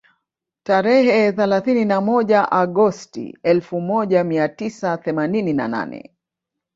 Tarehe thelathini na moja Agosti elfu moja mia tisa themanini na nane